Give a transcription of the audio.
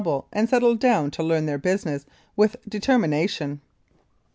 Regina and settled down to learn their business with determina tion.